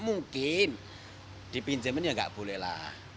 mungkin dipinjemin ya tidak bolehlah